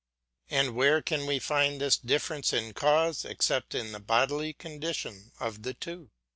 And where can we find this difference in cause except in the bodily condition of the two.